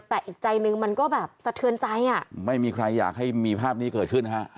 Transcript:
แต่อีกใจหนึ่งมันก็แบบสะเทือนใจอ่ะไม่มีใครอยากให้มีภาพนี้เกิดขึ้นฮะ